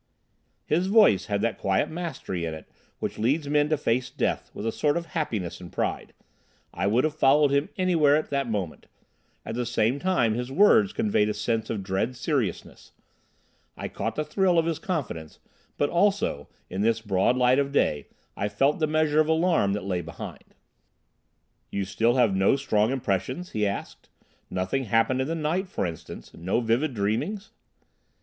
His voice had that quiet mastery in it which leads men to face death with a sort of happiness and pride. I would have followed him anywhere at that moment. At the same time his words conveyed a sense of dread seriousness. I caught the thrill of his confidence; but also, in this broad light of day, I felt the measure of alarm that lay behind. "You still have no strong impressions?" he asked. "Nothing happened in the night, for instance? No vivid dreamings?"